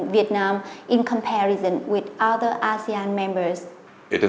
điều này rất khó để đánh giá đặc biệt